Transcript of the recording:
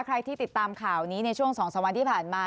ใครที่ติดตามข่าวนี้ในช่วง๒๓วันที่ผ่านมา